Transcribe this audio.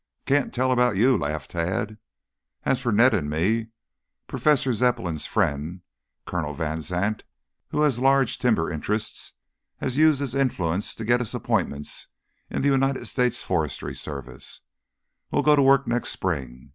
"Can't tell about you," laughed Tad. "As for Ned and me Professor Zepplin's friend, Colonel Van Zandt, who has large timber interests, has used his influence to get us appointments in the United States Forestry Service. We'll go to work next spring.